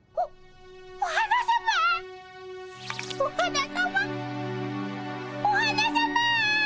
お花さまお花さま。